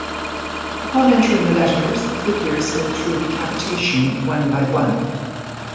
Upon entering the letters, the figures go through decapitation one-by-one.